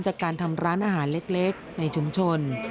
จากการทำร้านอาหารเล็กในชุมชน